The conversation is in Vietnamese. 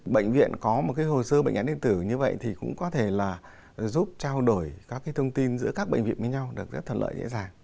bệnh viện có một hồ sơ bệnh án điện tử như vậy thì cũng có thể là giúp trao đổi các thông tin giữa các bệnh viện với nhau được rất thuận lợi dễ dàng